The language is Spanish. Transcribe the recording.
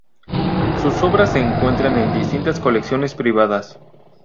Sus obras se encuentran en distintas colecciones privadas.